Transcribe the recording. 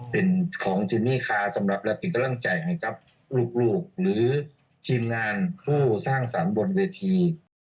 เป็นของจิมมี่คาสำหรับและเป็นกำลังใจให้กับลูกหรือทีมงานผู้สร้างสรรค์บนเวที